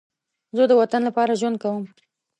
زه د وطن لپاره ژوند کوم